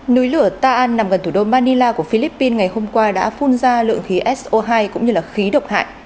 núi lửa ta an nằm gần thủ đô manila của philippines ngày hôm qua đã phun ra lượng khí so hai cũng như khí độc hại